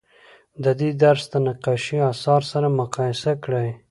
د دې درس د نقاشۍ اثار سره مقایسه کړئ.